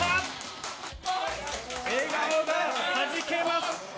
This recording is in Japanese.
笑顔がはじけます。